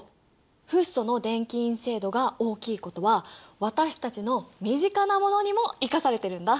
フッ素の電気陰性度が大きいことは私たちの身近なものにも生かされてるんだ。